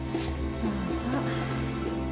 どうぞ。